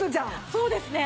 そうですね。